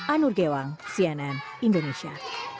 anur gewang cnn indonesia